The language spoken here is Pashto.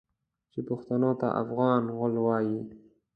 چې پښتنو ته افغان غول وايي.